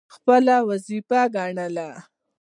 خپله وظیفه ګڼله.